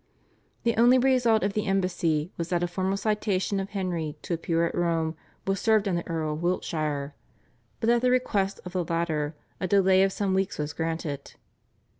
The only result of the embassy was that a formal citation of Henry to appear at Rome was served on the Earl of Wiltshire, but at the request of the latter a delay of some weeks was granted.